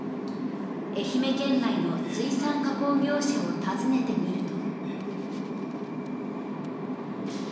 愛媛県内の水産加工業者を訪ねてみると。